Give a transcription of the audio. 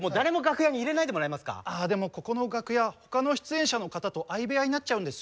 でもここの楽屋他の出演者の方と相部屋になっちゃうんですよ。